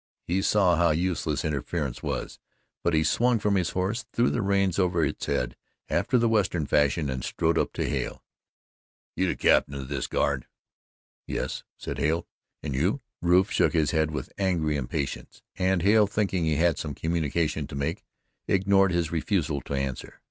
He saw how useless interference was, but he swung from his horse, threw the reins over its head after the Western fashion and strode up to Hale. "You the captain of this guard?" "Yes," said Hale; "and you?" Rufe shook his head with angry impatience, and Hale, thinking he had some communication to make, ignored his refusal to answer.